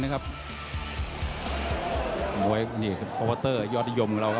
ก็ให้เรียกมากค่ะ